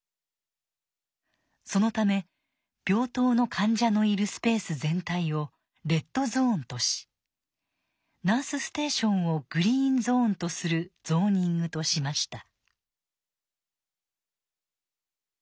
そのため病棟の患者のいるスペース全体をレッドゾーンとしナースステーションをグリーンゾーンとするゾーニングとしました」。